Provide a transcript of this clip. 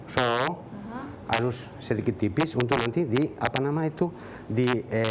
so harus sedikit tipis untuk nanti di apa nama itu di